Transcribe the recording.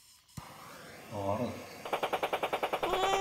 Ɣret!